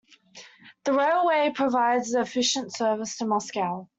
The railway provides an efficient service to Moscow.